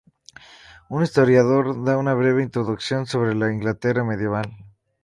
Un historiador da una breve introducción sobre la Inglaterra medieval.